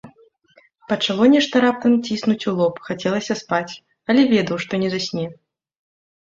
Пачало нешта раптам ціснуць у лоб, хацелася спаць, але ведаў, што не засне.